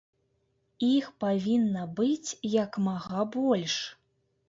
Іх павінна быць як мага больш!